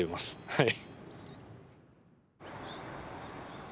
はい。